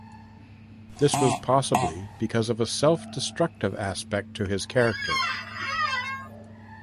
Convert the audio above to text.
This was possibly because of a self-destructive aspect to his character.